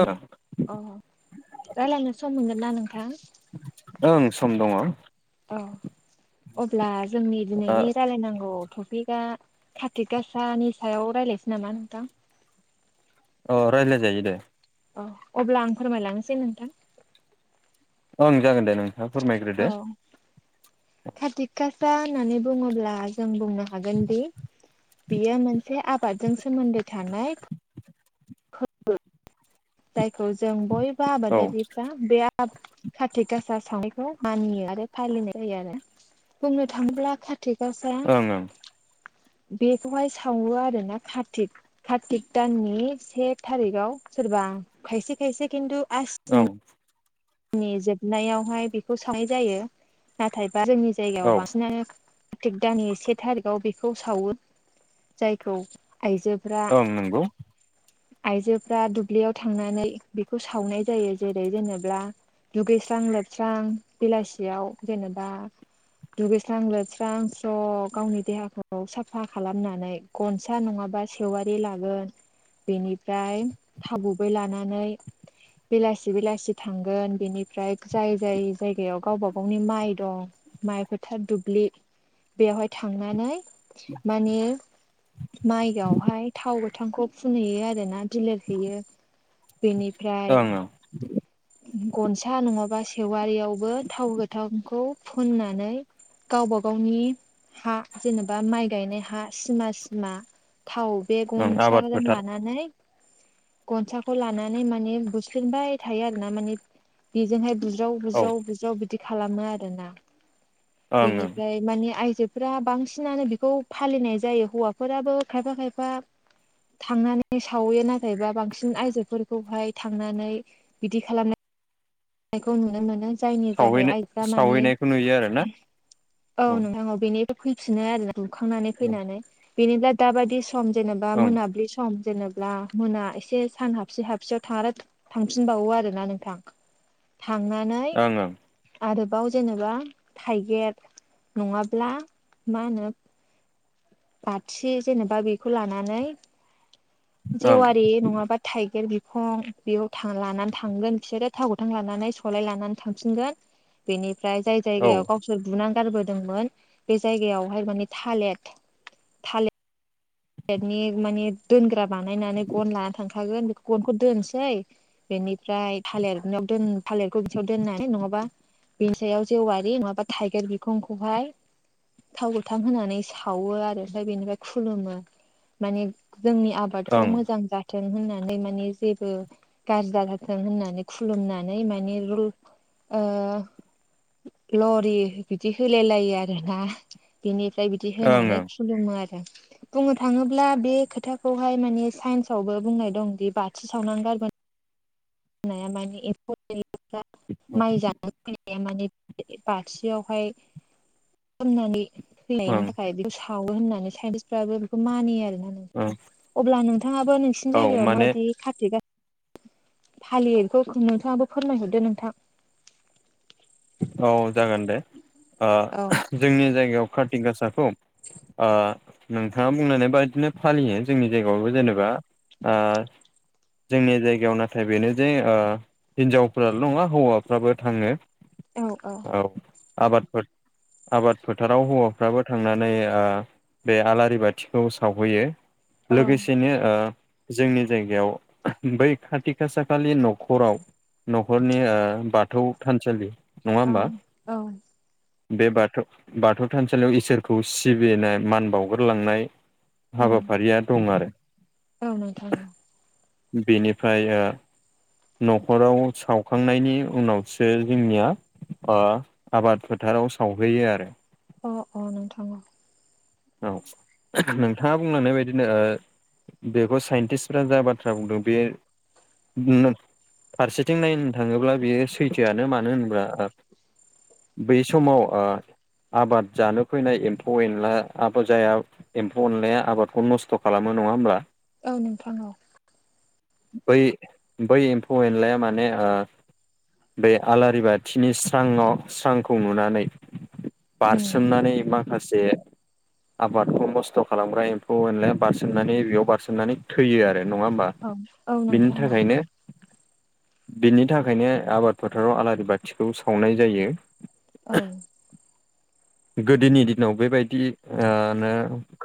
ओं अ रायलायनो सम मोनगोन ना नोंथां ओं सम दङ औ अब्ला जोंनि अ दिनैनि रायलाय नांगौ टपिक दा कातिड गासानि सायाव रायलायसै नामा नोंथां अ रायलाय जायो अ अब्ला आं फोरमायलांनोसै नोंथां ओं जागोन दे नोंथाङा फोरमायग्रोदो कातिग गासा होननानै बुङोब्ला जों बुंनो हागोन दि बियो मोनसे आबादजों सोमोन्दो थानाय जायखौ जों बयबो औ आबादारिफ्रा बे आबाद कातिग गासा सावनायखौ मानियो आरो फालिनाय जायो आरो बुंनो थाङोब्ला कातिग गासा ओं ओं बेखौहाय सावो आरो ना कार्तिक कार्तिक दाननि से थारिगाव सोरबा खायसे खायसे खिन्थु आसिन ओं जोंनि जोबनायावहाय बेखौ सावनाय जायो नाथायबा जोंनि जायगायाव औ बांसिनानो कार्तिक दाननि से थारिखाव बेखौ सावो जायखौ आइजो फ्रा ओं नंगौ आइजोफ्रा दुब्लियाव थांनानै बेखौ सावनाय जायो जेरै जेनेब्ला दुगैस्रां लोबस्रां बेलासियाव जेनेबा दुगैस्रां लोबस्रां स्र' गावनि देहाखौ साफा खालामनानै गनसा नङाबा सेवारि लागोन बेनिफ्राय थाव गुबै लानानै बेलासि बेलासि थांगोन। बेनिफ्राय जाय जाय जायगायाव गावबा गावनि माइ दं माइ फोथार दुब्लि बेवहाय थांनानै माने माइआवहाय थाव गोथांखौ फुनहैयो आरो ना बिलिर हैैयो बेनि फ्राय ओं ओं गनसा नङाबा सेवारियावबो थाव गोथांखौ फुननानै गावबा गावनि हा जेनेबा माइ गायनाय हा सिमा सिमा थाव बे ओं आबाद गनसाजों फोथार लानानै गनसाखौ लानानै माने बुसलिनबाय थायो आरो ना माने बेजोंहाय बुज्राव औ बुज्राव बुज्राव बिदि खालामो आरोना ओं ओं बेनिफ्राय माने आयजोफोरा बांसिनानो बेखौ फालिनाय जायो हौवाफोराबो खायफा खायफा थांनानै सावैयो नाथायबा बांसिन आइजोफोरखौहाय थांनानै बिदि खालामनाय खौ नुनो मोनो। जायनि जाहै सावहैनो आइजोफ्रा माने सावहैनायखौ नुयो आरोना औ नोंथां औ बेनि फैफिनो आरो बुखांनानै फैनानै बेनिफ्राय दाबादि सम जेनेबा ओं मोनाबलि सम जेने ब्ला मोना एसे सान हाबसे हाबसेयाव थारो थांफिनबावो आरोना नोंथां। थांनानै ओं ओं आरोबाव जेनेबा थाइगिर नङाब्ला मा होनो बाथि जेनेबा बेखौ लानानै ओं जेवारि नङाबा थाइगिर बिखं बेयाव था लानानै थांगोन बिसोरो थाव गोथां लानानै सलाय लानानै थांफिनगोन। बेनिफ्राय जाय औ जायगायाव ओं गावसोर बुना गारबोदोंमोन बे जायगायावहाय माने थालेर थालिर नि माने दोनग्रा बानायनानै गन लाना थांखागोन बेखौ गनखौ दोनोसै बेनिफ्राय थालिरनि आव दोन थालिरखौ बिसेयाव दोननानै नङाबा बेनि सायाव जेवारि नङाबा थाइगिर बिखंखौहाय थाव गोथां होनानै सावो आरो ओमफ्राय बेनिफ्राय खुलुमो। माने जोंनि आबादखौ ओं मोजां जा थों होननानै माने जेबो गाज्रि दाजाथों होननानै खुलुमनानै माने लु ओ लरि बिदि होलाय लायो आरोना। बिनिफ्राय बिदि होनानै ओं खुलुमो आरो। बुंनो थाङोब्ला बे खोथाखौहाय माने साइन्स आवबो बुंनाय दंदि बाथि सावना गारबोनाय नाया माने एम्फौ जायोब्ला माइ जा [unintelligible] माने बाथियावहाय खामनानै फैनायनि ओं थाखाय बेखौ सावो होननानै साइन्टिसफ्राबो बेखौ मानियो ओं आरोना। अब्ला नोंथाङाबो नोंसिनि औ जायगायाव माने माबायदि खाथि फालियो खौ नोंथाङाबो फोरमायहरदो नोंथां। औ जागोन दे ओ औ जोंनि जायगायाव कारति गासाखौ ओ नोंथाङा बुंनानै बायदिनो फालियो जोंनि जायगायावबो जेनेबा ओ जोंनि जायगायाव नाथाय बेनो जे ओ हिनजावफ्राल' नङा हौवाफ्राबो थाङो। औ औ। औ आबाद फोथ आबाद फोथाराव हौवाफ्राबो थांनानै ओ बे आलारि बाथिखौ सावहैयो औ लोगोसेनो ओ जोंनि जायगायाव बै खाथि खासा खालि न'खराव न'खरनि ओ बाथौ थानसालि नङा होमबा? औ बे बाथौ बाथौ थानसालियाव इसोरखौ सिबिनाय मान बावगोरलांनाय औ हाबाफारिया दं आरो। औ नोंथां। बेनिफ्राय ओ न'खराव सावखांनायनि उनावसो जोंनिया ओ आबाद फोथाराव सावहैयो आरो। अ अ नोंथां अ। औ नोंथाङा बुंनानै बादिनो ओ बेखौ साइन्टिस्टफ्रा जा बाथ्रा बुंदों बे नों फारसेथिं नायनो थाङोब्ला बेयो सैथोआनो मानो होनोब्ला बै समाव ओ आबाद जानो फैनाय एम्फौ एनला [unintelligible] जायाव एम्फौ अनलाया आबादखौ नस्थ' खालामो नङा होमब्ला? औ नोंथां औ। बै -बै एम्फौ एनलाया माने ओ बे आलारि बाथिनि स्रांयाव स्रांखौ नुनानै उम बारसोमनानै माखासे आबादखौ नस्थ' खालामग्रा एम्फौ एनलाया बारसोमनानै बेयाव बारसोमनानै थैयो आरो नङा होमबा? औ औ बिनि नोंथां औ थाखायनो बेनि थाखायनो आबाद फोथाराव आलारि बाथिखौ सावनाय जायो। औ। गोदोनि दिनाव बेबायदि ओ नो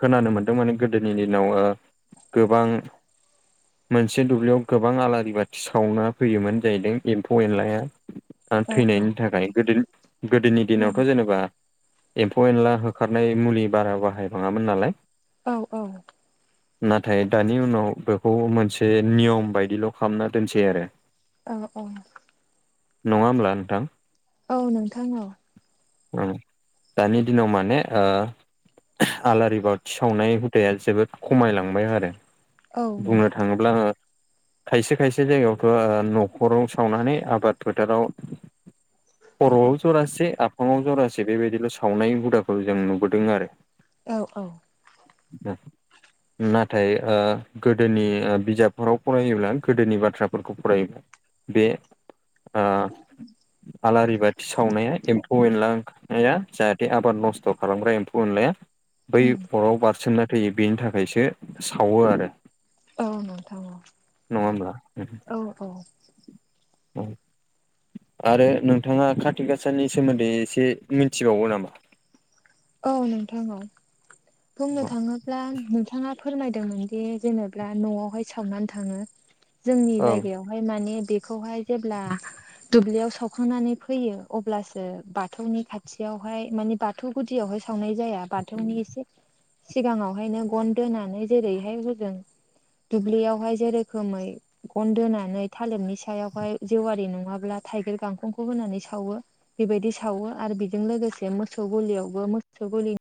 खोनानो मोन्दों माने गोदोनि दिनाव गोबां मोनसे दुब्लियाव गोबां आलारि बाथि सावना फैयोमोन जाहैदों एम्फौ- एनलाया औ औ थैनायनि थाखाय गोदो- गोदोनि औ दिनावथ' जेनेबा एम्फौ -एनला होखारनाय मुलि बारा बाहायफाङामोन नालाय औ औ। [inaudible] नाथाय दानि उनाव बेखौ मोनसे नियम बायदिल' खालामना दोनसै आरो। औ औ। नङा होमब्ला नोंथां? औ नोंथां औ। ओ दानि दिनाव माने ओ आलारि बाथि सावनाय हुदाया जोबोद खमायलांबाय आरो औ बुंनो नोंथां थाङोब्ला ओ खायसे खायसे जायगायावथ' न'खराव सावनानै आबाद फोथाराव खर'आव जरासे आफाङाव जरासे बेबायदिल' सावनाय हुदाखौ जों नुबोदों आरो। औ औ। नाथाय ओ गोदोनि बिजाबफोराव फरायोब्ला गोदोनि बाथ्राफोरखौ फरायोब्ला बे ओ आलारि बाथि सावनाया एम्फौ -एनला ओं जाहाथे आबाद नस्थ' खालामग्रा एम्फौ -एनलाया बै उम अराव बारसोमनो थैयो बेनि थाखायसो सावो आरो। औ नोंथां नङा होमब्ला औ औ। औ। आरो नोंथाङा कातिक गाासनि सोमोन्दै एसे मिथिबावो नामा? औ नोंथां औ बुंनो ओं थाङोब्ला नोंथाङा फोरमायदोंमोन दि जेनेबा न'आवहाय सावनानै थाङो जोंनि ओं जायगायाव बेहाय माने बेखौहाय जेब्ला दुब्लियाव सावखांनानै फैयो अब्लासो बाथौनि खाथियावहाय मानि बा बाथौ गुदियावहाय सावनाय जाया बाथौनि एसे सिगाङावहायनो गन दोनानै जेरैहाय हजों दुब्लियावहाय जेरोखोमै गन दोनानै थालिरनि सायावहाय जेवारि नङाब्ला थाइगिर गांखंखौ होनानै सावो। बेबायदि सावो आरो बेजों लोगोसे मोसौ गलियावबो मोसौ गलि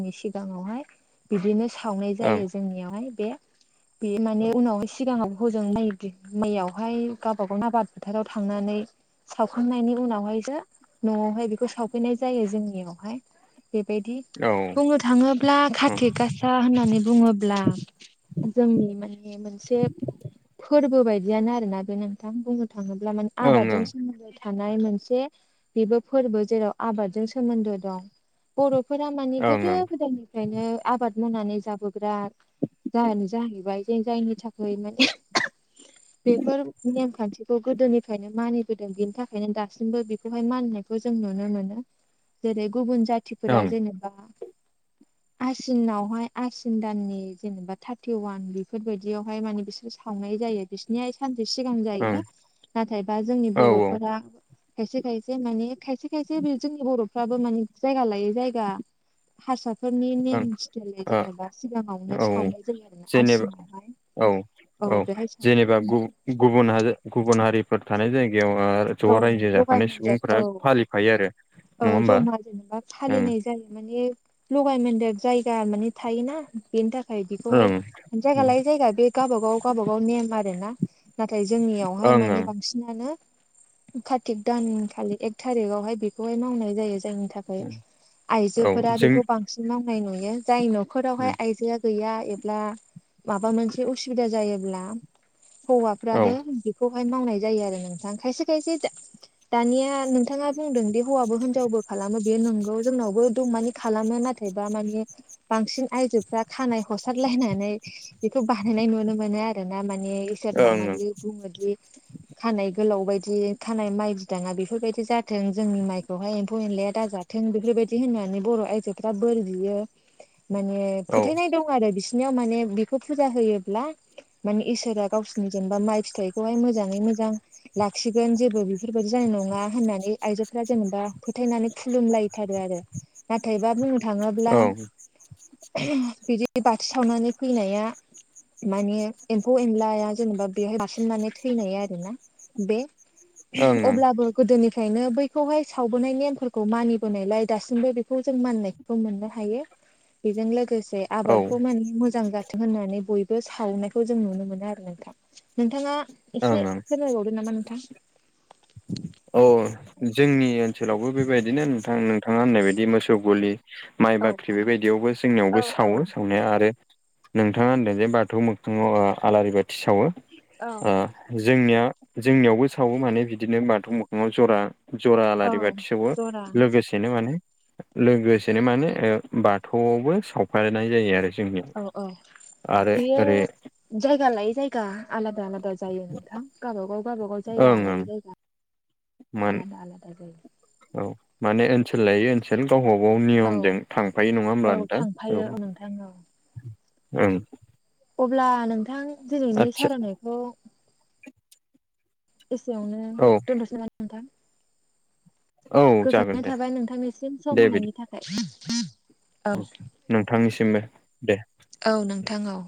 जोंनि सिगाङावहाय बिदिनो सावनाय औ जायो जोंनियावहाय बे बे माने उनाव सिगाङाव हजों माय मायावहाय गावबा गाव आबाद फोथाराव थांनानै सावखांनायनि उनावहायसो न'आवहाय बेखौ सावफैनाय जायो जोंनियावहाय बेबायदि ओं बुंनो थाङोब्ला कार्तिक गासा खोथा होननानै बुङोब्ला जोंनि माने मोनसे फोरबो बायदियानो आरोना बे नोंथां बुंनो थाङोब्ला माने ओं आबादजों ओं सोमोन्दो थानाय मोनसे बेबो फोरबो जेराव आबादजों सोमोन्दो दं। बर'फोरा मानि गोदो ओं गोदायनिफ्रायनो आबाद मावनानै जाबोग्रा जायानो जाहैबाय जे जायनि थाखाय माने [inaudible] बेफोर नेमखान्थिखौ गोदोनिफ्रायनो मानिबोदों बेनि थाखायनो दासिमबो बे खौ जों नुनो मोनो जेरै गुबुन ओं जाथिफोरा जेनेबा आसिनावहाय आसिन दाननि जेनेबा थार्टि वान बेफोरबायदियावहाय माने बिसोर सावनाय जायो। बिसनिया सानसे सिगां ओं जायो नाथायबा जोंनि औ बर'फोरा खायसे खायसे माने खायसे खायसे बे जोंनि बर'फ्राबो मान जायगा लायै जायगा हारसाफोरनि औ नेम सिथाइल जेनेबा सिगाङावनो ओं औ सावनाय जायो आरो जेनेबा औ औ बेहाय सावो जेनेबा ओमफ्राय गु-गु बुन हाज गुबुन हारिफोर थानाय जायगायाव ज' औ रायजो लगाय जाखानाय मोनदेर औ सुबुंफ्रा फालिफायो आरो औ नङा होमबा जमा जेनेबा ओं फालिनाय जायो माने लगायमोनदेर जायगा मानि थायोना बेनि थाखाय बेखौहाय ओं जायगा लायै जायगा बे गावबागाव गावाबागाव नेम आरो ना नाथाय जोंनियावहाय मानि ओं बांसिनानो कातिक दानखालि एक थारिकावहाय बे खौहाय मावनाय जायो जायनि थाखाय ओं औ आइजोफोरा जों बेखौ बांसिन मावनाय नुयो जाय न'ख खरावहाय आइजोआ गैया एब्ला माबा मोनसे उसुबिदा जायोब्ला औ हौवाफ्राबो खौहाय मावनाय जायो आरो नोंथां खायसे खायसे दानिया नोंथाङा बुंदोंदि हौवाबो हिनजावबो खालामो बेयो नोंगौ जोंनावबो एदम मानि खालामो नाथायबा मानि बांसिन आयजोफ्रा खानाय हसारलायनानै बेखौ बानायनाय नुनो मोनो आरो दाना माने इसोरनाव ओं ओं माने बुङोदि खानाय गोलाव बायदि खानाय माइ बिदाङा बेफोरबायदि जाथों जोंनि माइ बेवहाय एम्फौ-एनलाया दाजाथों बेफोरबायदि होननानै बर' आइजोफ्रा बोर बियो माने औ फोथायनाय दं आरो बिसिनियाव माने बेखौ फुजा होयोब्ला मानि इसोरा गावसिनि जेनेबा माइ फिथाइखौहाय मोजाङै मोजां लाखिगोन जेबो बेफोरबायदि जानाय नङा होननानै आइजोफोरा जेनेबा फोथायनानै खुलुमलायथारो आरो नाथायबा बुंनो थाङोब्ला ओं बिदि बाथि सावनानै फैनाया मानि एम्फौ-एनलाया जेनेबा बेवहाय बारसिननानै थैनाय आरो ना बे ओं अब्लाबो गोदोनिफ्रायनो बै खौहाय सावबोनाय नेमफोरखौ मानिबोनायलाय दासिमबो बेखौ जों मानिनायखौ मोननो हायो। बेजों लोगोसे औ ओं आबादखौ माने मोजां जा दों होननानै बयबो सावनायखौ जों नुनो मोनो आरो नोंथां नोंथाङा एसे ओं फोरमायबावदो नामा नोंथां। औ जोंनि ओनसोलावबो बेबायदिनो नोंथां नोंथाङा होननाय बायदि मोसौ गलि माइ औ बाख्रि बेबायदियावबो जोंनियावबो सावो औ सावनाया आरो नोंथाङा होनदों जे बाथौ मोगखङाव आलारि बाथि सावो औ ओ जोंनिया जोंनियावबो सावो माने बिदिनो बाथौ मोखाङाव जरा जरा औ आलारि बाथि सावो जरा लोगोसे नो माने लोगोसेनो माने ओ बाथौआवबो सावफनाय जायो आरो जोंनिया औ औ बेयो जायगा लायै जायगा आलादा आलादा जायो नोंथां। गावबागाव गाबागाव जायगा ओं ओं लायै जायगा मोन आलादा आलादा जायो। औ माने ओनसोल लायो ओनस सोल गावबा गाव औ नियमजों थांफायो नङा होमबा औ नोंथां थांफायो नोंथां औ ओं अब्ला नोंथां दिनैनि आदसा सावरायनायखौ एसेयावनो औ दोनथ'सै नामा नोंथां औ जागोन गोजोननाय दे थाबाय नोंथांनिसिम सम दे बिदि होनायनि थाखाय औ नोंथांनिसिमबो दे औ नोंथां औ